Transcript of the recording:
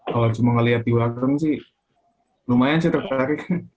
kalau cuma lihat di warung sih lumayan sih tertarik